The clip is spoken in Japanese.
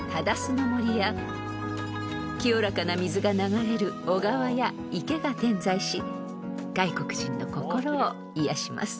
［清らかな水が流れる小川や池が点在し外国人の心を癒やします］